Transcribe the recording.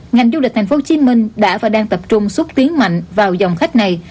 ngành du lịch thành phố hồ chí minh đã và đang tập trung xuất tiến mạnh vào dòng khách này